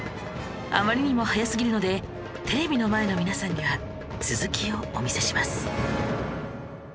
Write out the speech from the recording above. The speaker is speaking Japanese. あまりにも早すぎるのでテレビの前の皆さんには続きをお見せします